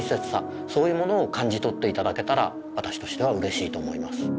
そういうものを感じ取っていただけたら私としてはうれしいと思います。